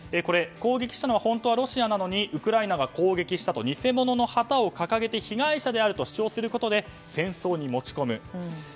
攻撃したのはロシアなのにウクライナが攻撃したと偽物の旗を掲げて被害者であると主張することで戦争に持ち込む。